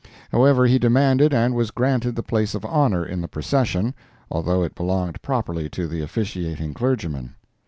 However, he demanded and was granted the place of honor in the procession, although it belonged properly to the officiating clergyman.